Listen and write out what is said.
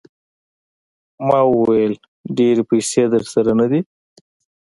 ما وویل ډېرې پیسې درسره نه دي.